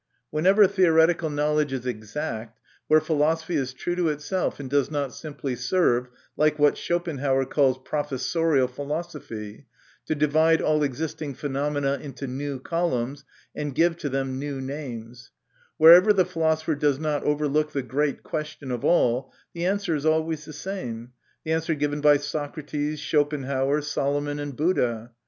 Whenever theoretical know MY CONFESSION. 55 ledge is exact, where philosophy is true to itself, and does not simply serve, like what Schopenhauer calls "professorial philosophy," to divide all existing phenomena into new columns, and give to them new names wher ever the philosopher does not overlook the great question of all, the answer is always the same the answer given by Socrates, Schopen hauer, Solomon, and Buddha.